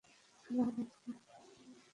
খেলা হবে আজকে।